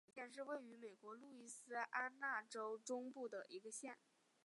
阿沃耶尔县是位于美国路易斯安那州中部的一个县。